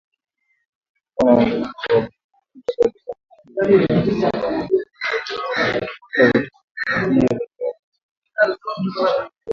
Kulikuwa na ongezeko la bei ya mafuta katika vituo vya kuuzia katika nchi nyingine za Afrika Mashariki.